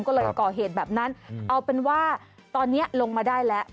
ก็เลยก่อเหตุแบบนั้นเอาเป็นว่าตอนนี้ลงมาได้แล้ว